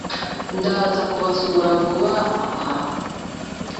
Ndaza kubasura vuba aha